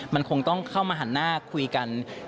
มันคงต้องเข้ามาหันหน้าคุยกัน